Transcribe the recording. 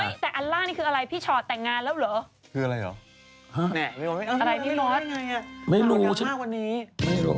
เฮ้ยแต่อันนี้คืออะไรพี่โฉดแต่งงานแล้วเหรอ